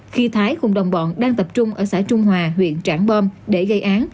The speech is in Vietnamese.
khi thái cùng đồng bọn đang tập trung ở xã trung hòa huyện trảng bom để gây án